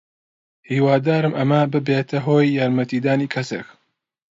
هیوادارم ئەمە ببێتە هۆی یارمەتیدانی کەسێک.